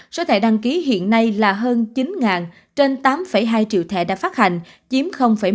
số thẻ đăng ký hiện nay là hơn chín trên tám hai triệu thẻ đã phát hành chiếm một